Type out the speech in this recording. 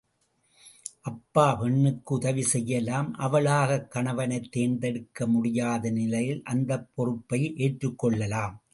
அப்பா பெண்ணுக்கு உதவி செய்யலாம் அவளாகக் கணவனைத் தேர்ந்தெடுக்க முடியாத நிலையில் அந்தப் பொறுப்பை ஏற்றுக்கொள்ளலாம்.